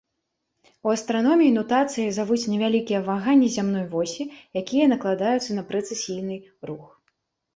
У астраноміі нутацыяй завуць невялікія ваганні зямной восі, якія накладаюцца на прэцэсійны рух.